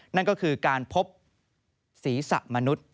นั่นก็คือการพบศีรษะมนุษย์